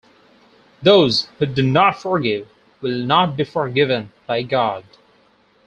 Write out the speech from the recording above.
Those who do not forgive will not be forgiven by God.